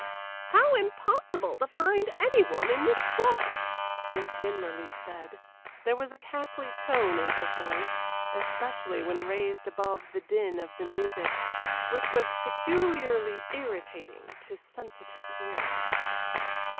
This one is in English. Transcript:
"How impossible to find any one in this crush!" Miss Winmarleigh said. There was a cackly tone in her voice, especially when raised above the din of the music, which was peculiarly irritating to sensitive ears.